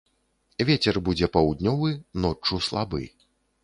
Вецер будзе паўднёвы, ноччу слабы.